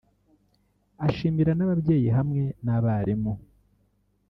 ashimira n’ababyeyi hamwe n’abarimu